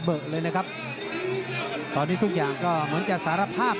พอเร่งยกที่๔สองชุดพีค